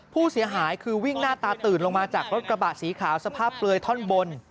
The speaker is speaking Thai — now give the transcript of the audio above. ผู้เสียหายคือวิ่งหน้าตาตื่นลงมาจากรถกระบะสีขาวสภาพเปลือยท่อนบน